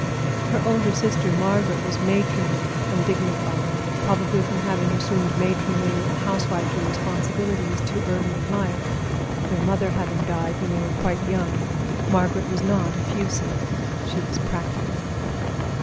Her older sister, Margaret, was matronly and dignified, probably from having assumed matronly and housewifely responsibilities too early in life, their mother having died when they were quite young. Margaret was not effusive; she was practical.